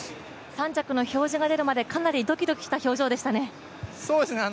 ３着の表示が出るまで、かなりドキドキした表情でしたね。